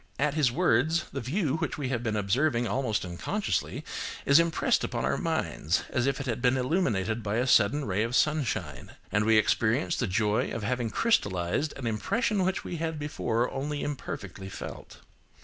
At his words, the view which we have been observing almost unconsciously, is impressed upon our minds as if it had been illuminated by a sudden ray of sunshine, and we experience the joy of having crystallised an impression which we had before only imperfectly felt.